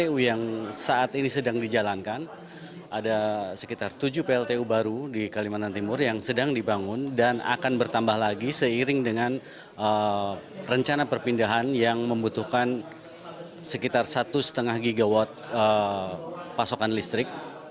kpu yang saat ini sedang dijalankan ada sekitar tujuh pltu baru di kalimantan timur yang sedang dibangun dan akan bertambah lagi seiring dengan rencana perpindahan yang membutuhkan sekitar satu lima gigawatt pasokan listrik